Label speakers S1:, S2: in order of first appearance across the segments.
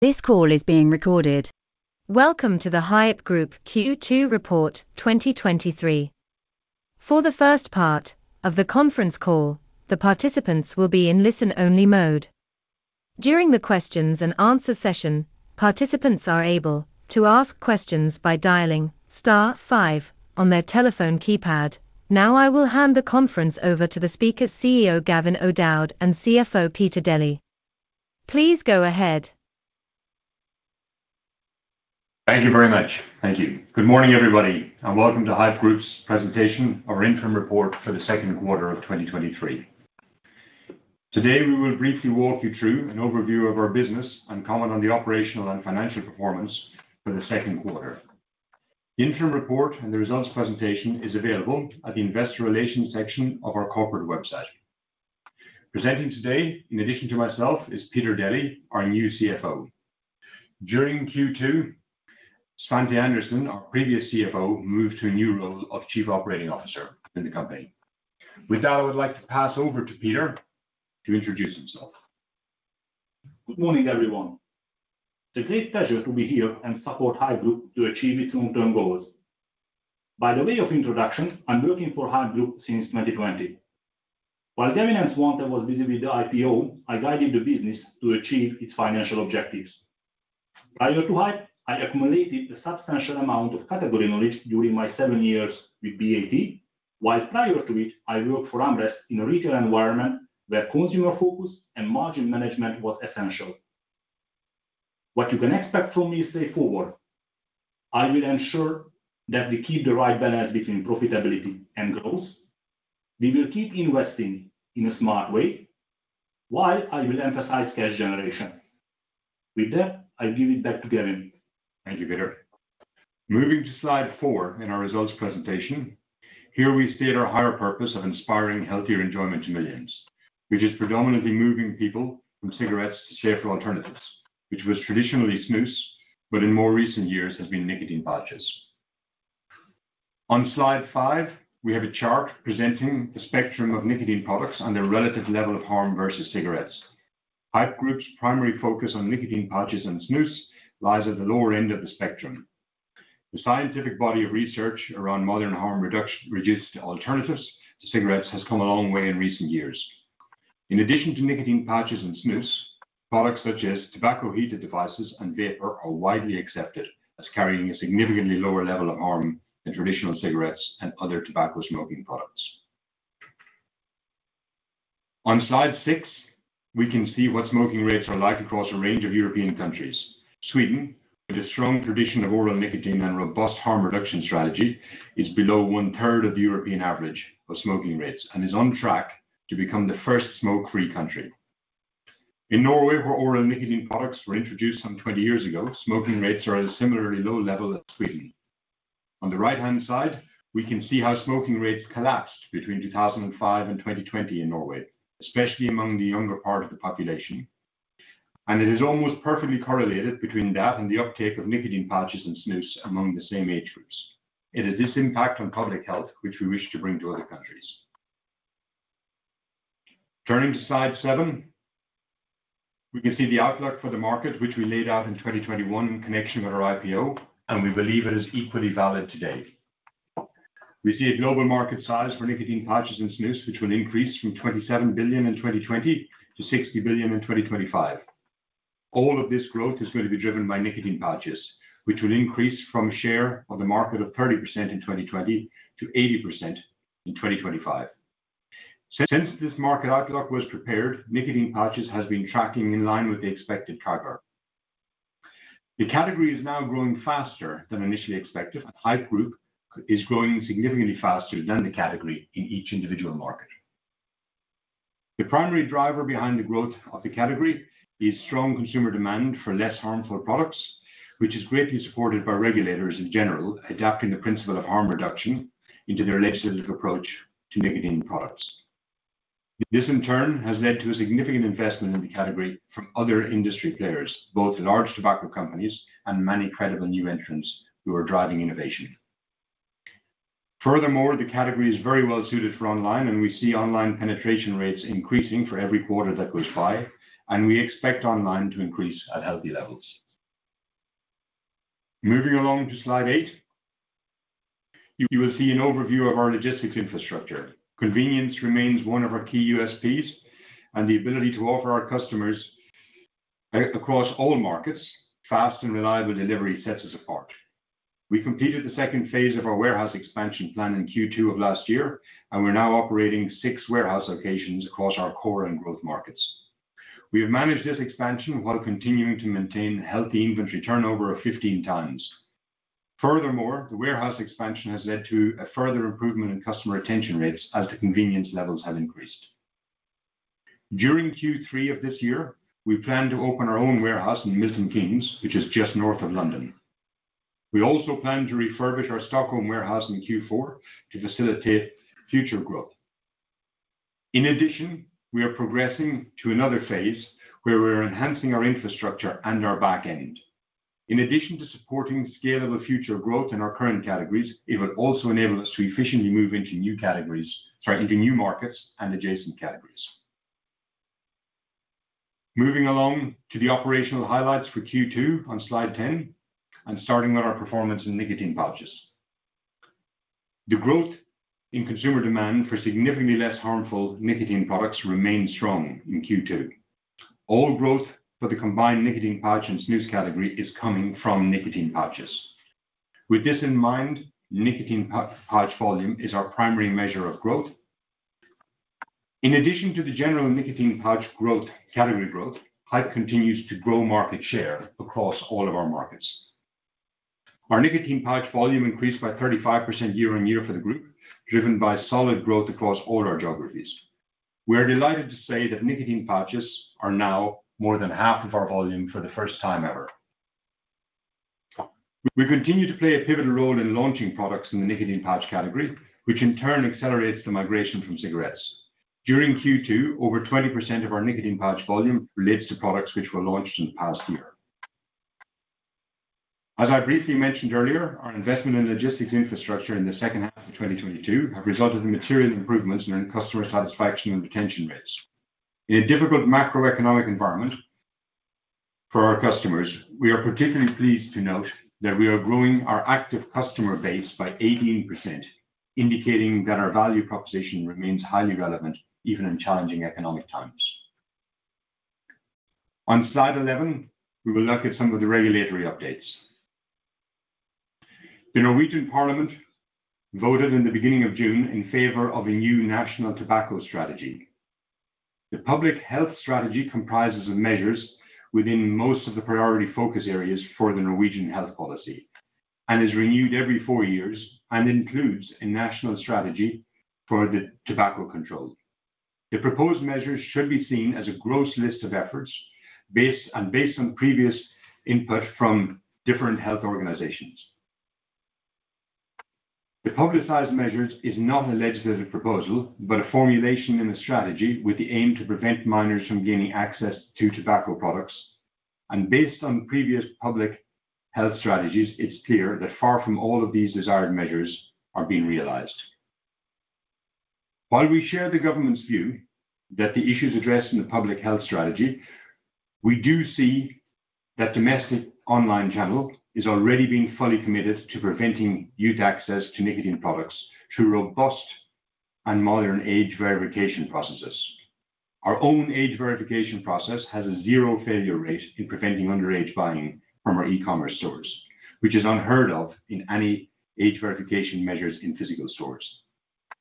S1: This call is being recorded. Welcome to the Haypp Group Q2 report 2023. For the first part of the conference call, the participants will be in listen-only mode. During the questions and answer session, participants are able to ask questions by dialing star five on their telephone keypad. Now, I will hand the conference over to the speakers, CEO, Gavin O'Dowd, and CFO, Peter Deli. Please go ahead.
S2: Thank you very much. Thank you. Good morning, everybody, and welcome to Haypp Group's presentation, our interim report for the second quarter of 2023. Today, we will briefly walk you through an overview of our business and comment on the operational and financial performance for the second quarter. The interim report and the results presentation is available at the investor relations section of our corporate website. Presenting today, in addition to myself, is Peter Deli, our new CFO. During Q2, Svante Andersson, our previous CFO, moved to a new role of Chief Operating Officer in the company. With that, I would like to pass over to Peter to introduce himself.
S3: Good morning, everyone. It's a great pleasure to be here and support Haypp Group to achieve its long-term goals. By the way of introduction, I'm working for Haypp Group since 2020. While Gavin and Svante was busy with the IPO, I guided the business to achieve its financial objectives. Prior to Haypp, I accumulated a substantial amount of category knowledge during my seven years with BAT, while prior to it, I worked for AmRest in a retail environment where consumer focus and margin management was essential. What you can expect from me is straightforward. I will ensure that we keep the right balance between profitability and growth. We will keep investing in a smart way, while I will emphasize cash generation. With that, I give it back to Gavin.
S2: Thank you, Peter. Moving to slide four in our results presentation. Here we state our higher purpose of inspiring healthier enjoyment to millions, which is predominantly moving people from cigarettes to safer alternatives, which was traditionally snus, but in more recent years has been nicotine pouches. On slide 5, we have a chart presenting the spectrum of nicotine products and their relative level of harm versus cigarettes. Haypp Group's primary focus on nicotine pouches and snus lies at the lower end of the spectrum. The scientific body of research around modern harm reduction, reduced alternatives to cigarettes, has come a long way in recent years. In addition to nicotine pouches and snus, products such as heated tobacco products and vapor are widely accepted as carrying a significantly lower level of harm than traditional cigarettes and other tobacco smoking products. On slide 6, we can see what smoking rates are like across a range of European countries. Sweden, with a strong tradition of oral nicotine and robust harm reduction strategy, is below one-third of the European average of smoking rates and is on track to become the first smoke-free country. In Norway, where oral nicotine products were introduced some 20 years ago, smoking rates are at a similarly low level as Sweden. On the right-hand side, we can see how smoking rates collapsed between 2005 and 2020 in Norway, especially among the younger part of the population. It is almost perfectly correlated between that and the uptake of nicotine pouches and snus among the same age groups. It is this impact on public health, which we wish to bring to other countries. Turning to slide seven, we can see the outlook for the market, which we laid out in 2021 in connection with our IPO. We believe it is equally valid today. We see a global market size for nicotine pouches and snus, which will increase from $27 billion in 2020 to $60 billion in 2025. All of this growth is going to be driven by nicotine pouches, which will increase from a share of the market of 30% in 2020 to 80% in 2025. Since this market outlook was prepared, nicotine pouches has been tracking in line with the expected tracker. The category is now growing faster than initially expected. Haypp Group is growing significantly faster than the category in each individual market. The primary driver behind the growth of the category is strong consumer demand for less harmful products, which is greatly supported by regulators in general, adapting the principle of harm reduction into their legislative approach to nicotine products. This, in turn, has led to a significant investment in the category from other industry players, both large tobacco companies and many credible new entrants who are driving innovation. Furthermore, the category is very well suited for online, and we see online penetration rates increasing for every quarter that goes by, and we expect online to increase at healthy levels. Moving along to slide eight, you will see an overview of our logistics infrastructure. Convenience remains one of our key USPs, and the ability to offer our customers across all markets, fast and reliable delivery sets us apart. We completed the second phase of our warehouse expansion plan in Q2 of last year, and we're now operating six warehouse locations across our core and growth markets. We have managed this expansion while continuing to maintain a healthy inventory turnover of 15 times. Furthermore, the warehouse expansion has led to a further improvement in customer retention rates as the convenience levels have increased. During Q3 of this year, we plan to open our own warehouse in Milton Keynes, which is just north of London. We also plan to refurbish our Stockholm warehouse in Q4 to facilitate future growth. In addition, we are progressing to another phase where we're enhancing our infrastructure and our back end. In addition to supporting scalable future growth in our current categories, it will also enable us to efficiently move into new categories, sorry, into new markets and adjacent categories. Moving along to the operational highlights for Q2 on slide 10, starting with our performance in nicotine pouches. The growth in consumer demand for significantly less harmful nicotine products remained strong in Q2. All growth for the combined nicotine pouch and snus category is coming from nicotine pouches. With this in mind, nicotine pouch volume is our primary measure of growth. In addition to the general nicotine pouch growth, category growth, Haypp continues to grow market share across all of our markets. Our nicotine pouch volume increased by 35% year-on-year for the group, driven by solid growth across all our geographies. We are delighted to say that nicotine pouches are now more than half of our volume for the first time ever. We continue to play a pivotal role in launching products in the nicotine pouch category, which in turn accelerates the migration from cigarettes. During Q2, over 20% of our nicotine pouch volume relates to products which were launched in the past year. As I briefly mentioned earlier, our investment in logistics infrastructure in the second half of 2022, have resulted in material improvements in our customer satisfaction and retention rates. In a difficult macroeconomic environment for our customers, we are particularly pleased to note that we are growing our active customer base by 18%, indicating that our value proposition remains highly relevant, even in challenging economic times. On slide 11, we will look at some of the regulatory updates. The Norwegian Parliament voted in the beginning of June in favor of a new national tobacco strategy. The public health strategy comprises of measures within most of the priority focus areas for the Norwegian Health Policy, is renewed every years, and includes a national strategy for the tobacco control. The proposed measures should be seen as a gross list of efforts, based, and based on previous input from different health organizations. The publicized measures is not a legislative proposal, but a formulation and a strategy with the aim to prevent minors from gaining access to tobacco products. Based on previous public health strategies, it's clear that far from all of these desired measures are being realized. While we share the government's view that the issues addressed in the public health strategy, we do see that domestic online channel is already being fully committed to preventing youth access to nicotine products, through robust and modern age verification processes. Our own age verification process has a zero failure rate in preventing underage buying from our e-commerce stores, which is unheard of in any age verification measures in physical stores.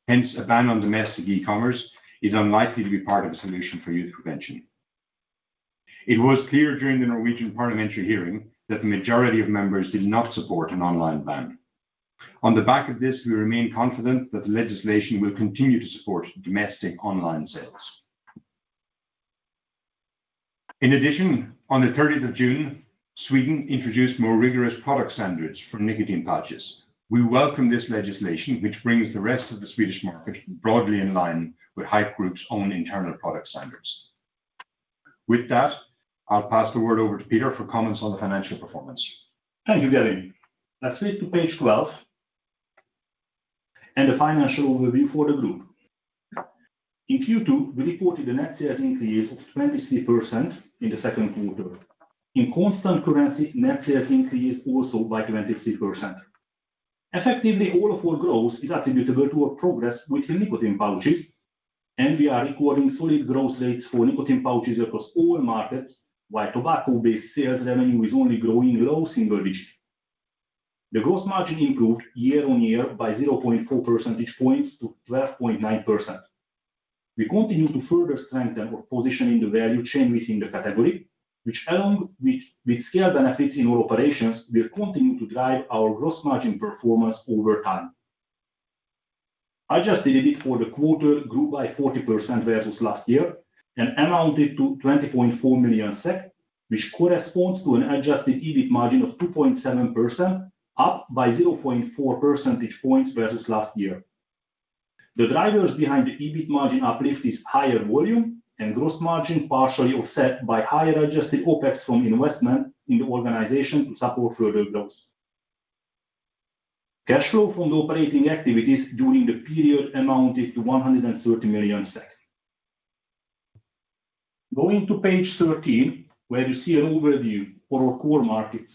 S2: Hence, a ban on domestic e-commerce is unlikely to be part of a solution for youth prevention. It was clear during the Norwegian parliamentary hearing, that the majority of members did not support an online ban. On the back of this, we remain confident that legislation will continue to support domestic online sales. In addition, on the 30th of June, Sweden introduced more rigorous product standards for nicotine pouches. We welcome this legislation, which brings the rest of the Swedish market broadly in line with Haypp Group's own internal product standards. With that, I'll pass the word over to Peter for comments on the financial performance.
S3: Thank you, Gavin. Let's flip to page 12, and the financial overview for the group. In Q2, we reported a net sales increase of 23% in the second quarter. In constant currency, net sales increased also by 23%. Effectively, all of our growth is attributable to our progress with the nicotine pouches, and we are recording solid growth rates for nicotine pouches across all markets, while tobacco-based sales revenue is only growing low single digits. The gross margin improved year-on-year by 0.4 percentage points to 12.9%. We continue to further strengthen our position in the value chain within the category, which along with scale benefits in our operations, will continue to drive our gross margin performance over time. Adjusted EBIT for the quarter grew by 40% versus last year, amounted to 20.4 million SEK, which corresponds to an adjusted EBIT margin of 2.7%, up by 0.4 percentage points versus last year. The drivers behind the EBIT margin uplift is higher volume and gross margin, partially offset by higher adjusted OpEx from investment in the organization to support further growth. Cash flow from the operating activities during the period amounted to 130 million. Going to page 13, where you see an overview for our core markets.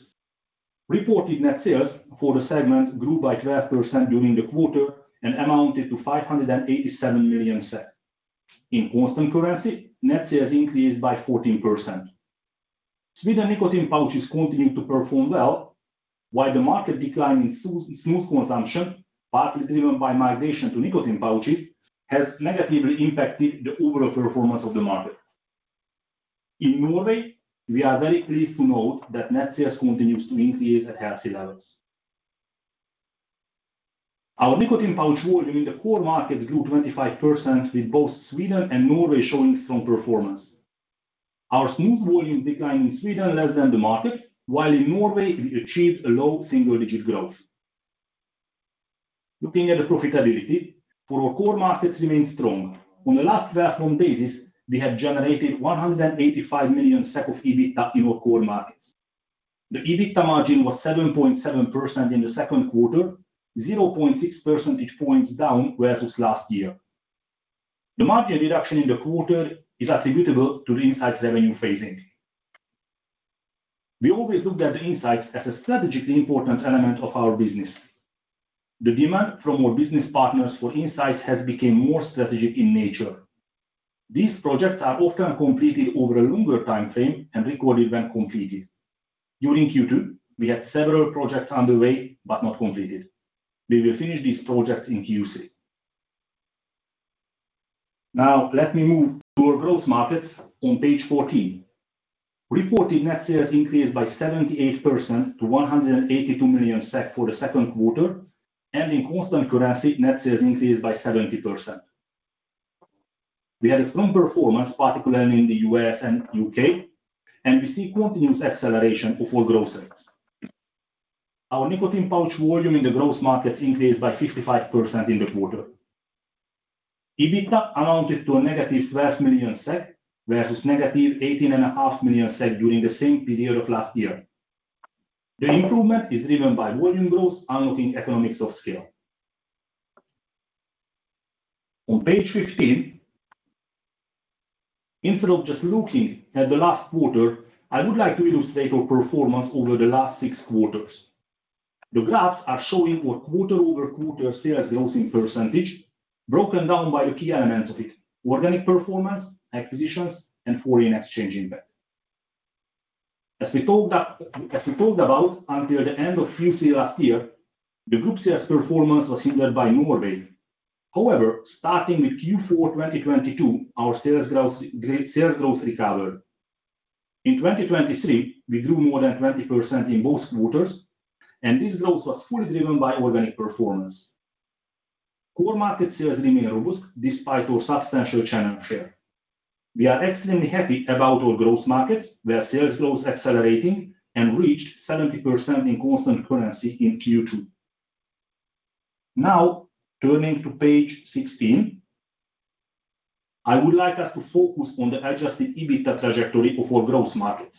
S3: Reported net sales for the segment grew by 12% during the quarter and amounted to 587 million SEK. In constant currency, net sales increased by 14%. Sweden nicotine pouches continued to perform well, while the market decline in snus consumption, partly driven by migration to nicotine pouches, has negatively impacted the overall performance of the market. In Norway, we are very pleased to note that net sales continues to increase at healthy levels. Our nicotine pouch volume in the core markets grew 25%, with both Sweden and Norway showing strong performance. Our snus volume declined in Sweden, less than the market, while in Norway, we achieved a low single digit growth. Looking at the profitability for our core markets remained strong. On the last twelve-month basis, we have generated 185 million SEK of EBITDA in our core markets. The EBITDA margin was 7.7% in the second quarter, 0.6 percentage points down versus last year. The margin reduction in the quarter is attributable to the Insights revenue phasing. We always looked at the Insights as a strategically important element of our business. The demand from our business partners for Insights has become more strategic in nature. These projects are often completed over a longer time frame and recorded when completed. During Q2, we had several projects underway, but not completed. We will finish these projects in Q3. Let me move to our growth markets on page 14. Reported net sales increased by 78% to 182 million SEK for the second quarter, and in constant currency, net sales increased by 70%. We had a strong performance, particularly in the US and UK, and we see continuous acceleration of our growth rates. Our nicotine pouch volume in the growth markets increased by 55% in the quarter. EBITDA amounted to a negative 12 million SEK, versus negative 18.5 million SEK during the same period of last year. The improvement is driven by volume growth, unlocking economies of scale. On page 15, instead of just looking at the last quarter, I would like to illustrate our performance over the last six quarters. The graphs are showing our quarter-over-quarter sales growth in percentage, broken down by the key elements of it, organic performance, acquisitions, and foreign exchange impact. As we talked about until the end of Q3 last year, the group sales performance was hindered by Norway. However, starting with Q4 2022, our sales growth recovered. In 2023, we grew more than 20% in both quarters, and this growth was fully driven by organic performance. Core market sales remain robust despite our substantial channel share. We are extremely happy about our growth markets, where sales growth is accelerating and reached 70% in constant currency in Q2. Turning to page 16, I would like us to focus on the adjusted EBITDA trajectory of our growth markets.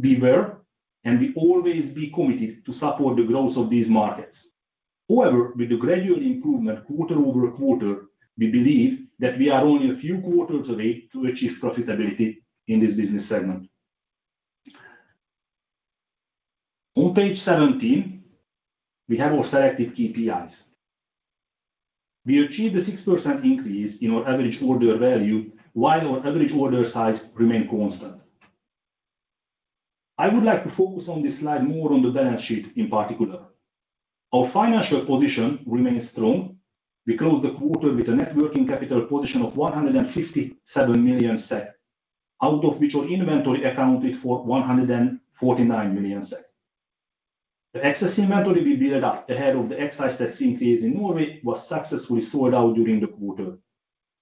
S3: Be aware, we always be committed to support the growth of these markets. However, with the gradual improvement quarter-over-quarter, we believe that we are only a few quarters away to achieve profitability in this business segment. On page 17, we have our selective KPIs. We achieved a 6% increase in our average order value, while our average order size remained constant. I would like to focus on this slide more on the balance sheet in particular. Our financial position remains strong. We closed the quarter with a net working capital position of 157 million SEK, out of which our inventory accounted for 149 million SEK. The excess inventory we built up ahead of the excise tax increase in Norway was successfully sold out during the quarter.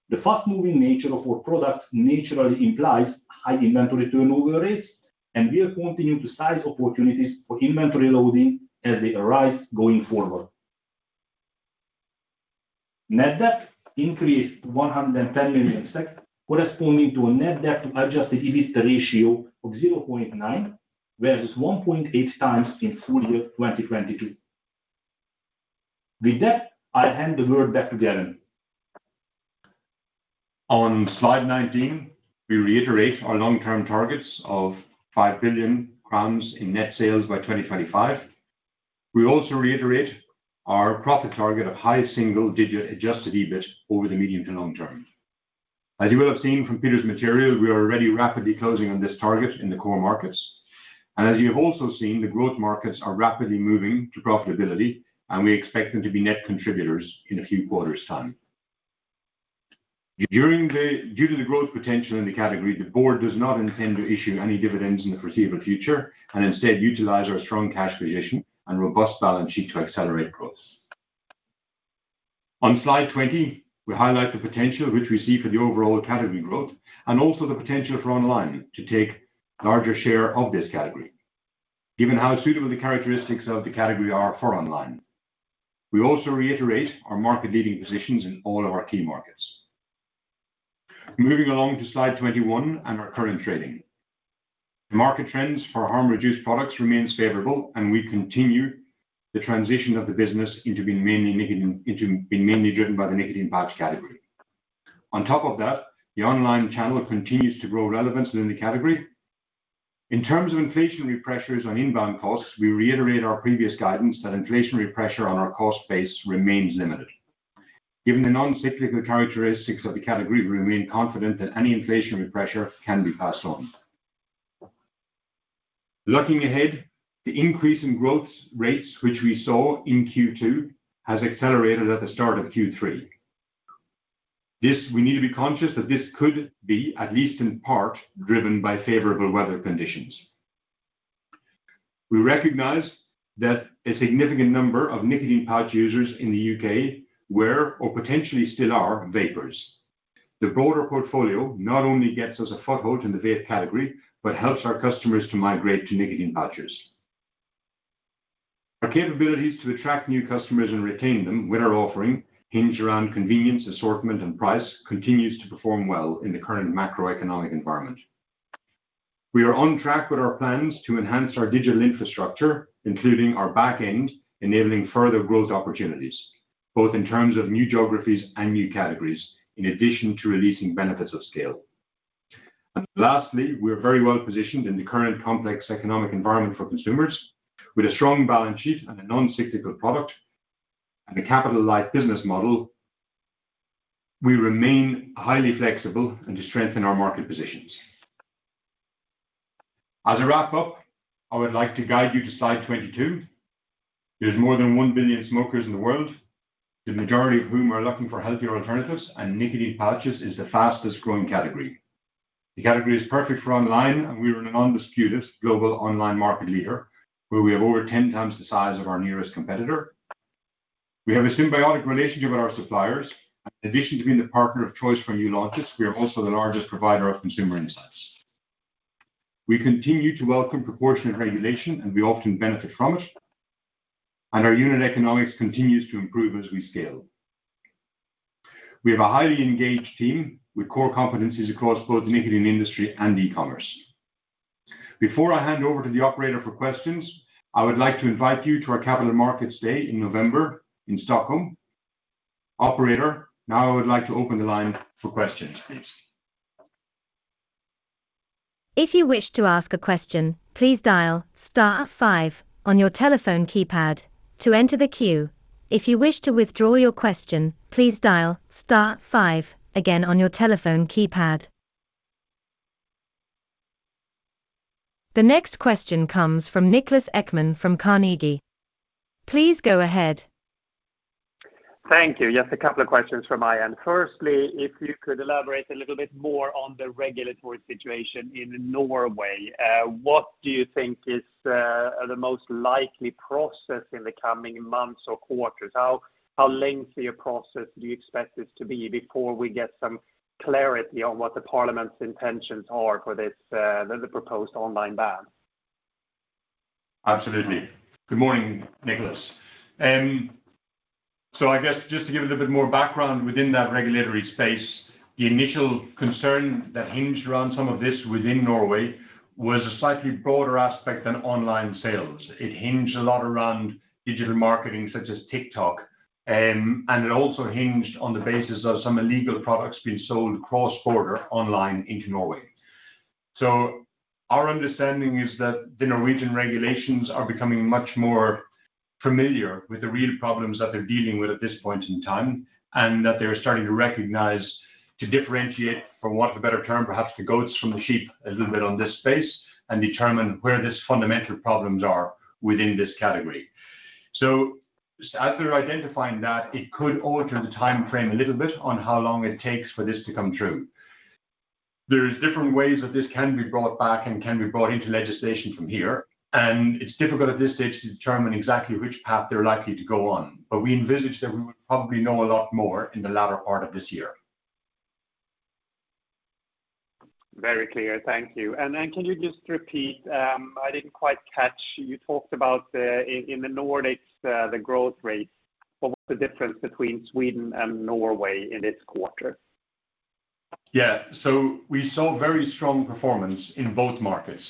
S3: The fast-moving nature of our product naturally implies high inventory turnover rates, we'll continue to size opportunities for inventory loading as they arise going forward. Net debt increased to 110 million SEK, corresponding to a net debt adjusted EBITDA ratio of 0.9, versus 1.8 times in full year 2022. With that, I hand the word back to Gavin.
S2: On slide 19, we reiterate our long-term targets of 5 billion in net sales by 2025. We also reiterate our profit target of high single-digit adjusted EBIT over the medium to long term. As you will have seen from Peter's material, we are already rapidly closing on this target in the core markets. As you have also seen, the growth markets are rapidly moving to profitability, and we expect them to be net contributors in a few quarters' time. Due to the growth potential in the category, the board does not intend to issue any dividends in the foreseeable future, and instead utilize our strong cash position and robust balance sheet to accelerate growth. On slide 20, we highlight the potential which we see for the overall category growth, and also the potential for online to take larger share of this category, given how suitable the characteristics of the category are for online. We also reiterate our market-leading positions in all of our key markets. Moving along to slide 21 and our current trading. The market trends for harm-reduced products remains favorable, and we continue the transition of the business into being mainly nicotine - into being mainly driven by the nicotine pouch category. On top of that, the online channel continues to grow relevance within the category. In terms of inflationary pressures on inbound costs, we reiterate our previous guidance that inflationary pressure on our cost base remains limited. Given the non-cyclical characteristics of the category, we remain confident that any inflationary pressure can be passed on. Looking ahead, the increase in growth rates, which we saw in Q2, has accelerated at the start of Q3. This, we need to be conscious that this could be, at least in part, driven by favorable weather conditions. We recognize that a significant number of nicotine pouch users in the UK were, or potentially still are, vapers... The broader portfolio not only gets us a foothold in the vape category, but helps our customers to migrate to nicotine pouches. Our capabilities to attract new customers and retain them with our offering, hinge around convenience, assortment, and price, continues to perform well in the current macroeconomic environment. We are on track with our plans to enhance our digital infrastructure, including our backend, enabling further growth opportunities, both in terms of new geographies and new categories, in addition to releasing benefits of scale. Lastly, we are very well positioned in the current complex economic environment for consumers, with a strong balance sheet and a non-cyclical product, and a capital light business model. We remain highly flexible and to strengthen our market positions. As a wrap-up, I would like to guide you to slide 22. There's more than 1 billion smokers in the world, the majority of whom are looking for healthier alternatives, and nicotine pouches is the fastest growing category. The category is perfect for online, and we are an undisputed global online market leader, where we have over 10 times the size of our nearest competitor. We have a symbiotic relationship with our suppliers. In addition to being the partner of choice for new launches, we are also the largest provider of consumer Insights. We continue to welcome proportionate regulation, and we often benefit from it, and our unit economics continues to improve as we scale. We have a highly engaged team with core competencies across both nicotine industry and e-commerce. Before I hand over to the operator for questions, I would like to invite you to our Capital Markets Day in November in Stockholm. Operator, now I would like to open the line for questions. Please.
S1: If you wish to ask a question, please dial star five on your telephone keypad to enter the queue. If you wish to withdraw your question, please dial star five again on your telephone keypad. The next question comes from Niklas Ekman from Carnegie. Please go ahead.
S4: Thank you. Just two questions from my end. Firstly, if you could elaborate a little bit more on the regulatory situation in Norway, what do you think is the most likely process in the coming months or quarters? How, how lengthy a process do you expect this to be before we get some clarity on what the parliament's intentions are for this, the, the proposed online ban?
S2: Absolutely. Good morning, Niklas. I guess just to give it a bit more background within that regulatory space, the initial concern that hinged around some of this within Norway was a slightly broader aspect than online sales. It hinged a lot around digital marketing, such as TikTok, and it also hinged on the basis of some illegal products being sold cross-border online into Norway. Our understanding is that the Norwegian regulations are becoming much more familiar with the real problems that they're dealing with at this point in time, that they are starting to recognize, to differentiate, for want of a better term, perhaps the goats from the sheep, a little bit on this space and determine where these fundamental problems are within this category. As they're identifying that, it could alter the timeframe a little bit on how long it takes for this to come through. There's different ways that this can be brought back and can be brought into legislation from here, and it's difficult at this stage to determine exactly which path they're likely to go on. We envisage that we would probably know a lot more in the latter part of this year.
S4: Very clear. Thank you. Then can you just repeat, I didn't quite catch, you talked about in the Nordics, the growth rates. What was the difference between Sweden and Norway in this quarter?
S2: Yeah. We saw very strong performance in both markets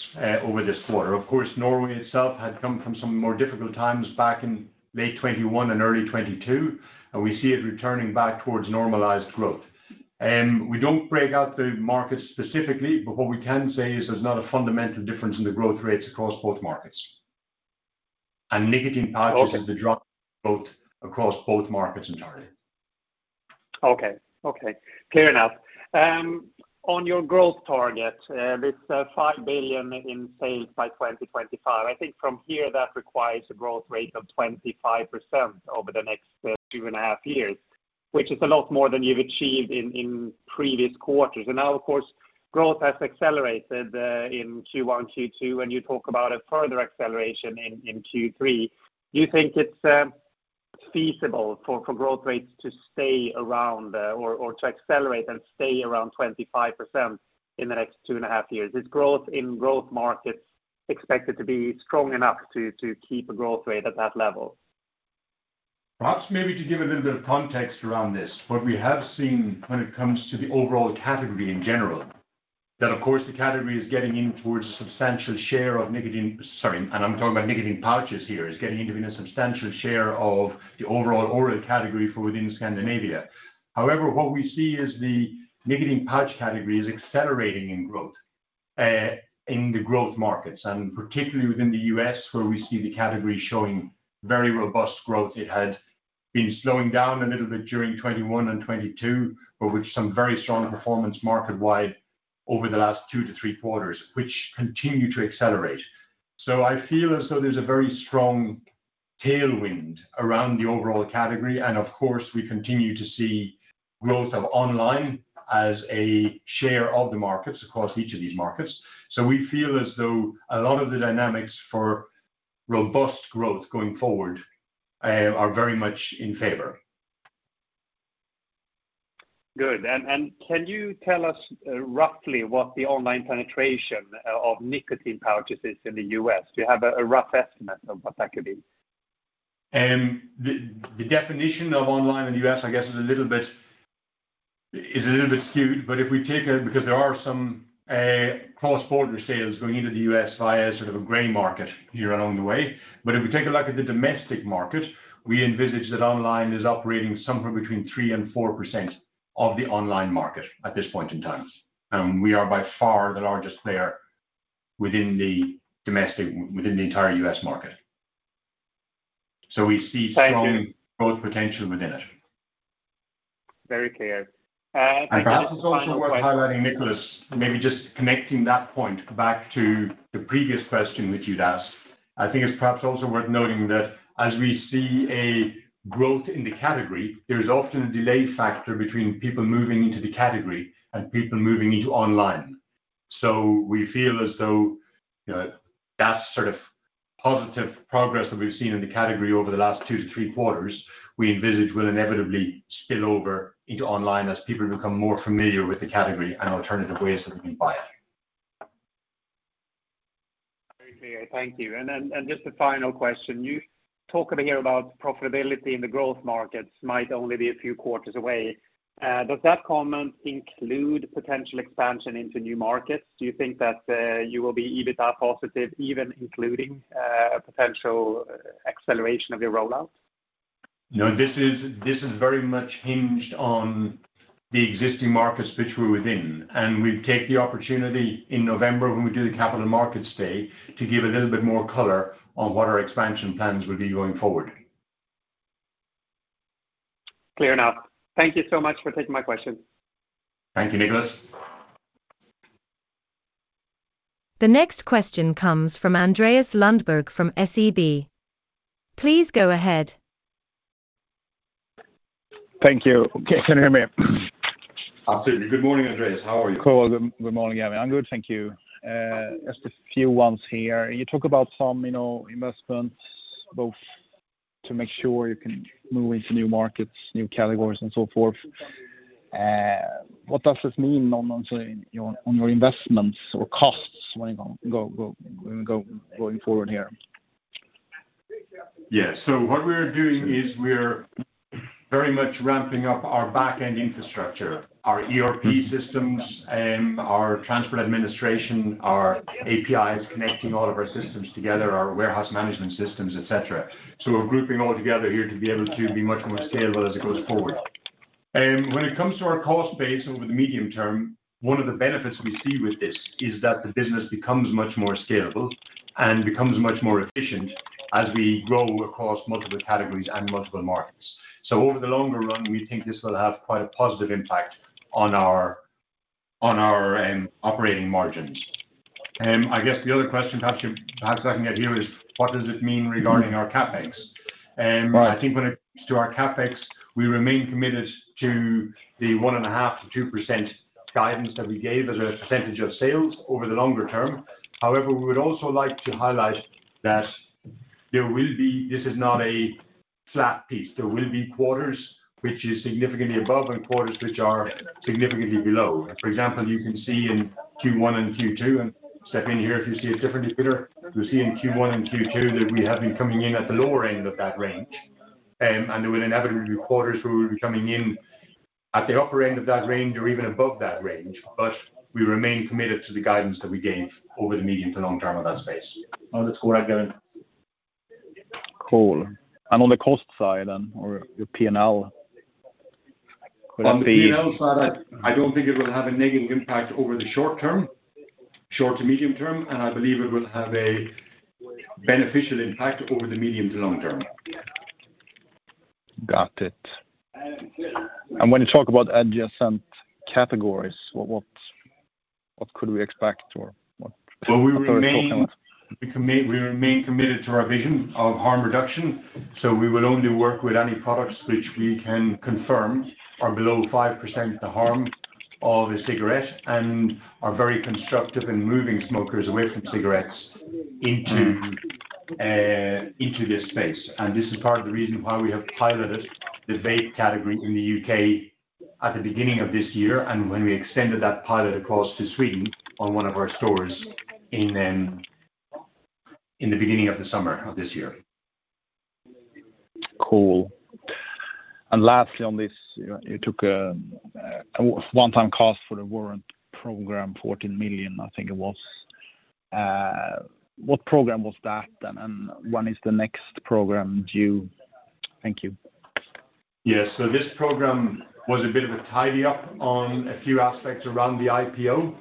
S2: over this quarter. Of course, Norway itself had come from some more difficult times back in late 2021 and early 2022, and we see it returning back towards normalized growth. We don't break out the markets specifically, but what we can say is there's not a fundamental difference in the growth rates across both markets. Nicotine pouches-
S4: Okay
S2: Is the drop both across both markets entirely.
S4: Okay. Okay, clear enough. On your growth target, this 5 billion in sales by 2025, I think from here, that requires a growth rate of 25% over the next 2.5 years, which is a lot more than you've achieved in previous quarters. Now, of course, growth has accelerated in Q1, Q2, and you talk about a further acceleration in Q3. Do you think it's feasible for growth rates to stay around or to accelerate and stay around 25% in the next 2.5 years? Is growth in growth markets expected to be strong enough to keep a growth rate at that level?
S2: Perhaps maybe to give a little bit of context around this, what we have seen when it comes to the overall category in general, that of course, the category is getting in towards a substantial share of nicotine. Sorry, and I'm talking about nicotine pouches here, is getting into a substantial share of the overall oral category for within Scandinavia. However, what we see is the nicotine pouch category is accelerating in growth in the growth markets, and particularly within the US, where we see the category showing very robust growth. It had been slowing down a little bit during 2021 and 2022, but with some very strong performance market-wide over the last 2-3 quarters, which continue to accelerate. I feel as though there's a very strong tailwind around the overall category, and of course, we continue to see growth of online as a share of the markets, across each of these markets. We feel as though a lot of the dynamics for robust growth going forward are very much in favor.
S4: Good. And can you tell us, roughly what the online penetration, of nicotine pouches is in the U.S.? Do you have a, a rough estimate of what that could be?
S2: The, the definition of online in the U.S. I guess is a little bit, is a little bit skewed, but if we take it, because there are some cross-border sales going into the U.S. via sort of a gray market here along the way. If we take a look at the domestic market, we envisage that online is operating somewhere between 3% and 4% of the online market at this point in time. We are by far the largest player within the domestic, within the entire U.S. market. We see-
S4: Thank you.
S2: Strong growth potential within it.
S4: Very clear, and perhaps a final question-
S2: This is also worth highlighting, Niklas, maybe just connecting that point back to the previous question which you'd asked. I think it's perhaps also worth noting that as we see a growth in the category, there is often a delay factor between people moving into the category and people moving into online. We feel as though, you know, that sort of positive progress that we've seen in the category over the last 2-3 quarters, we envisage will inevitably spill over into online as people become more familiar with the category and alternative ways that we buy it.
S4: Very clear. Thank you. Just a final question. You talk over here about profitability in the growth markets might only be a few quarters away. Does that comment include potential expansion into new markets? Do you think that you will be EBITDA positive even including a potential acceleration of your rollout?
S2: No. This is, this is very much hinged on the existing markets which we're within. We'd take the opportunity in November when we do the Capital Markets Day, to give a little bit more color on what our expansion plans will be going forward.
S4: Clear enough. Thank you so much for taking my questions.
S2: Thank you, Niklas.
S1: The next question comes from Andreas Lundberg, from SEB. Please go ahead.
S5: Thank you. Can you hear me?
S2: Absolutely. Good morning, Andreas. How are you?
S5: Cool. Good, good morning, Gavin. I'm good, thank you. Just a few ones here. You talk about some, you know, investments, both to make sure you can move into new markets, new categories, and so forth. What does this mean on, on your, on your investments or costs when you go, go, go, going forward here?
S2: Yeah. What we're doing is we're very much ramping up our backend infrastructure, our ERP systems, our transport administration, our APIs, connecting all of our systems together, our warehouse management systems, et cetera. We're grouping all together here to be able to be much more scalable as it goes forward. When it comes to our cost base over the medium term, one of the benefits we see with this, is that the business becomes much more scalable and becomes much more efficient as we grow across multiple categories and multiple markets. Over the longer run, we think this will have quite a positive impact on our, on our operating margins. I guess the other question perhaps you, perhaps I can get here is what does this mean regarding our CapEx?
S5: Right.
S2: I think when it comes to our CapEx, we remain committed to the 1.5%-2% guidance that we gave as a percentage of sales over the longer term. However, we would also like to highlight that there will be. This is not a flat piece. There will be quarters, which is significantly above and quarters, which are significantly below. For example, you can see in Q1 and Q2, and Stefan here, if you see it differently here. You'll see in Q1 and Q2 that we have been coming in at the lower end of that range. There will inevitably be quarters where we'll be coming in at the upper end of that range or even above that range, but we remain committed to the guidance that we gave over the medium to long term on that space.
S4: Oh, that's all I got.
S5: Cool. On the cost side then, or your P&L, could it be?
S2: On the P&L side, I don't think it will have a negative impact over the short term, short to medium term, and I believe it will have a beneficial impact over the medium to long term.
S5: Got it. When you talk about adjacent categories, what could we expect or what kind of-
S2: Well, we remain committed to our vision of harm reduction, so we will only work with any products which we can confirm are below 5% the harm of a cigarette, and are very constructive in moving smokers away from cigarettes into this space. This is part of the reason why we have piloted the vape category in the UK at the beginning of this year, and when we extended that pilot across to Sweden on one of our stores in the beginning of the summer of this year.
S5: Cool. Lastly on this, you, you took a, a one-time cost for the warrant program, 14 million, I think it was. What program was that then, and when is the next program due? Thank you.
S2: Yes. This program was a bit of a tidy up on a few aspects around the IPO.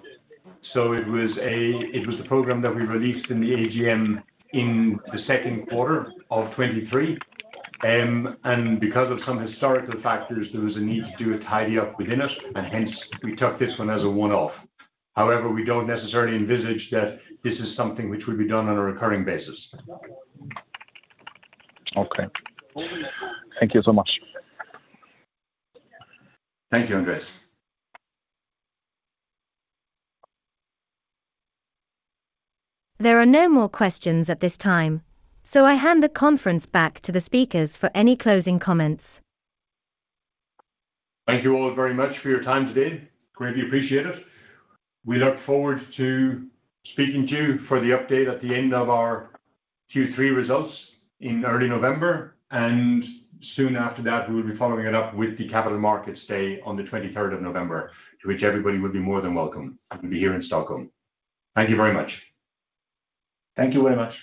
S2: It was a, it was a program that we released in the AGM in the second quarter of 2023. Because of some historical factors, there was a need to do a tidy up within it, and hence we took this one as a one-off. However, we don't necessarily envisage that this is something which would be done on a recurring basis.
S5: Okay. Thank you so much.
S2: Thank you, Andreas.
S1: There are no more questions at this time. I hand the conference back to the speakers for any closing comments.
S4: Thank you all very much for your time today. Greatly appreciate it. We look forward to speaking to you for the update at the end of our Q3 results in early November. Soon after that, we will be following it up with the Capital Markets Day on the 23rd of November, to which everybody will be more than welcome and be here in Stockholm. Thank you very much.
S2: Thank you very much.